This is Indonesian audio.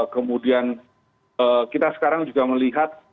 kemudian kita sekarang juga melihat